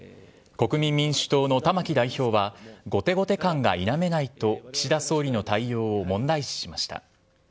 国民民主党の玉木代表は、後手後手感が否めないと岸田総理の対応を問題視しました。